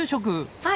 はい。